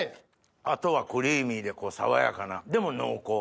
あとはクリーミーで爽やかなでも濃厚。